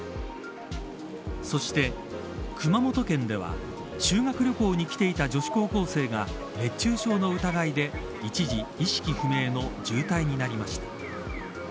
そして熊本県では修学旅行に来ていて女子高校生が熱中症の疑いで一時意識不明の重体になりました。